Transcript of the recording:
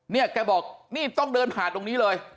เนี่ยแกบอกนี่ต้องเดินผ่านตรงนี้เลย